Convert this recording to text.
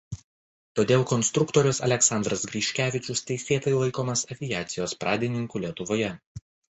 Todėl konstruktorius Aleksandras Griškevičius teisėtai laikomas aviacijos pradininku Lietuvoje.